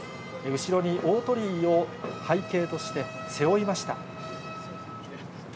後ろに大鳥居を背景として背負いました。